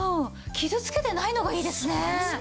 傷つけてないのがいいですねえ。